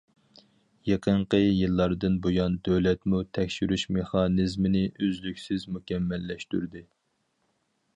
يېقىنقى يىللاردىن بۇيان، دۆلەتمۇ تەكشۈرۈش مېخانىزمىنى ئۈزۈكسىز مۇكەممەللەشتۈردى.